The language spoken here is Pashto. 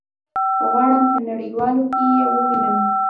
غواړم په نړيوالو کي يي ووينم